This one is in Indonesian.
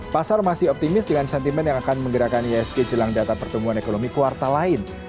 pasar masih optimis dengan sentimen yang akan menggerakkan isg jelang data pertumbuhan ekonomi kuartal lain